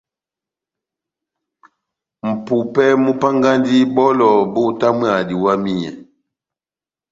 Mʼpupɛ múpángandi bɔlɔ bótamwaha diwamiyɛ.